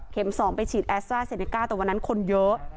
เข็มสองไปฉีดแอสเตอร์แซเนก้าแต่วันนั้นคนเยอะ